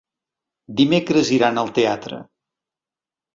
Dimecres iran al teatre.